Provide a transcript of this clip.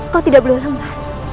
kau tidak boleh lemah